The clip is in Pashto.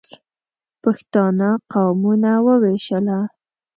پښتانه قومونه ووېشله.